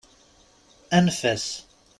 Anef-as!